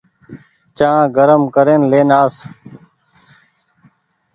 چآن گرم ڪرين لين آس